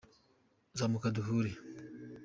Zamuka duhure.